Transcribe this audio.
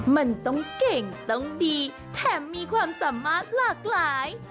มันต้องเก่งต้องดีแถมมีความสามารถหลากหลาย